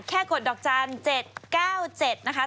แค่กดดอกจาน๗๙๗นะคะ